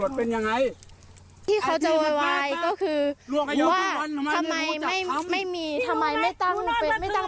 ไม่ได้ปังคับอ่าป่าวป่าวป่าวมาปังคับป่าวป่าวครับอ้าว